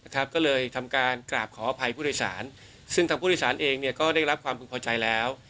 ก็เลยทำการกราบขออภัยผู้โดยสารซึ่งทางผู้โดยสารเองเนี่ยก็ได้รับความพึงพอใจแล้ว